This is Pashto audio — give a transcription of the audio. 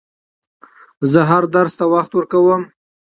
زه هر درس ته وخت ورکووم.